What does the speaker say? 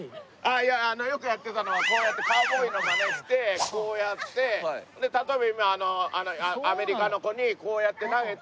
いやよくやってたのはこうやってカウボーイのマネしてこうやって例えば今あのアメリカの子にこうやって投げて。